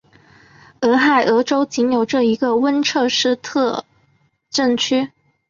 俄亥俄州仅有这一个温彻斯特镇区。